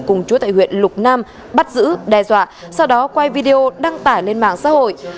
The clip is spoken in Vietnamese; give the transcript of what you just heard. cùng chú tại huyện lục nam bắt giữ đe dọa sau đó quay video đăng tải lên mạng xã hội